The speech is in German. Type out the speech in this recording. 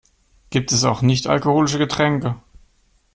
Gibt es auch nicht-alkoholische Getränke?